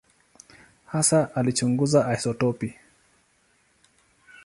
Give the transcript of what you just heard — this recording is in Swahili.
Hasa alichunguza isotopi.